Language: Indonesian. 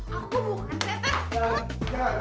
aku bukan setan